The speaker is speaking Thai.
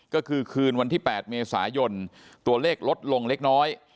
ก็คือคืนวันที่๘เมษายนตัวเลขลดลงเล็กน้อย